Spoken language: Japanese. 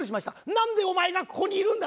なんでお前がここにいるんだ！